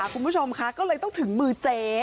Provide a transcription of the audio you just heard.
คุณผู้ชมค่ะก็เลยต้องถึงมือเจ๊